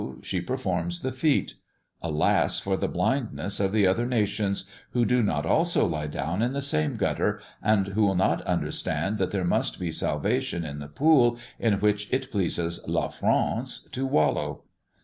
she performs the feat. Alas, for the blindness of the other nations, who do not also lie down in the same gutter, and who will not understand that there must be salvation in the pool in which it pleases la France to wallow!"